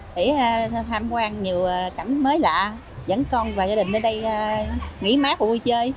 để tham quan nhiều cảnh mới lạ dẫn con và gia đình đến đây nghỉ mát của vui chơi